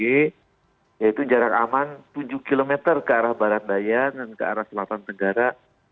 yaitu jarak aman tujuh km ke arah barat daya dan ke arah selatan tenggara